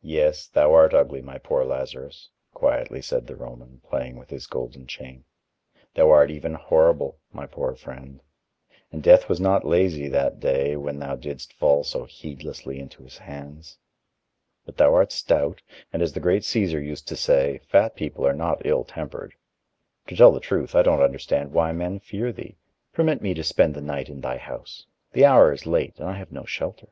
"Yes, thou art ugly, my poor Lazarus," quietly said the Roman, playing with his golden chain; "thou art even horrible, my poor friend; and Death was not lazy that day when thou didst fall so heedlessly into his hands. But thou art stout, and, as the great Cæsar used to say, fat people are not ill tempered; to tell the truth, I don't understand why men fear thee. Permit me to spend the night in thy house; the hour is late, and I have no shelter."